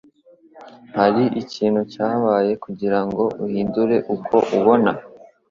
Hari ikintu cyabaye kugirango uhindure uko ubona ?